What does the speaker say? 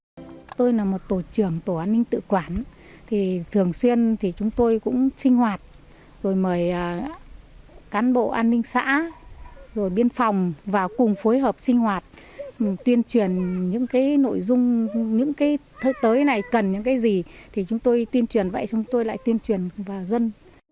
chúng tôi là một tổ trưởng tổ an ninh tự quản thì thường xuyên chúng tôi cũng sinh hoạt rồi mời cán bộ an ninh xã rồi biên phòng vào cùng phối hợp sinh hoạt tuyên truyền những cái nội dung những cái tới này cần những cái gì thì chúng tôi tuyên truyền vậy chúng tôi lại tuyên truyền vào dân